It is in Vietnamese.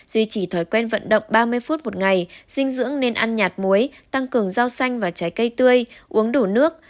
duy trì thói quen vận động ba mươi phút một ngày dinh dưỡng nên ăn nhạt muối tăng cường rau xanh và trái cây tươi uống đủ nước